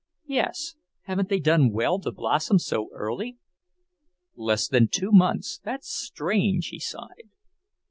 "Yes. Haven't they done well to blossom so early?" "Less than two months. That's strange," he sighed.